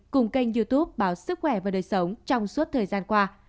cùng kênh youtube báo sức khỏe và đời sống trong suốt thời gian qua